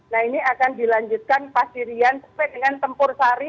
nah ini akan dilanjutkan pasirian sesuai dengan tempur sari